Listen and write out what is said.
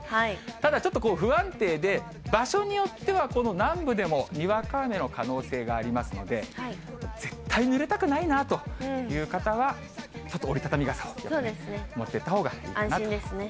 ただちょっと不安定で、場所によってはこの南部でも、にわか雨の可能性がありますので、絶対ぬれたくないなという方は、ちょっと折り畳み傘を持っていっ安心ですね。